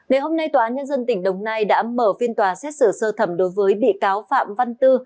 ngày hôm nay tòa án nhân dân tỉnh đồng nai đã mở phiên tòa xét xử sơ thẩm đối với bị cáo phạm văn tư